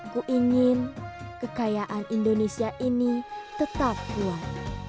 kuingin kekayaan indonesia ini tetap kuat